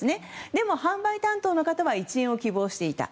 でも、販売担当の方は１円を希望していた。